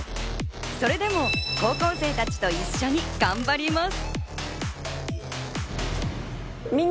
それでも高校生たちと一緒に頑張ります。